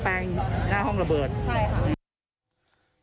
อ๋อหม้อแปลงหน้าห้องระเบิดใช่ค่ะ